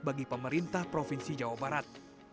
bagi pemerintah provinsi jawa barat